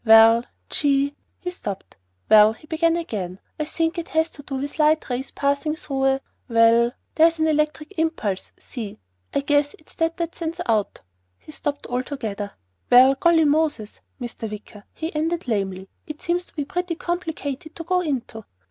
"Well, gee " He stopped. "Well," he began again, "I think it has to do with light rays passing through a well, hm mm, there's an electric impulse, see I guess it's that that sends out " He stopped altogether. "Well golly Moses, Mr. Wicker," he ended lamely, "it seems to be pretty complicated to go into."